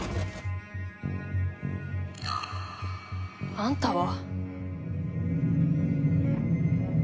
あんたは？